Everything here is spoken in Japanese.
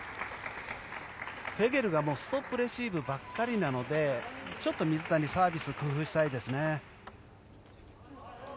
フェゲルがストップレシーブばっかりなのでちょっと水谷サービスを工夫したいですね。